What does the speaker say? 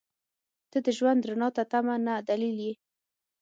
• ته د ژوند رڼا ته تمه نه، دلیل یې.